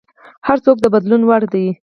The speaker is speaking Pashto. هر څوک د بدلون وړ دی.